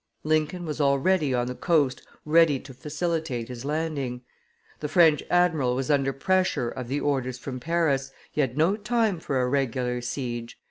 Lincoln was already on the coast ready to facilitate his landing; the French admiral was under pressure of the orders from Paris, he had no time for a regular siege.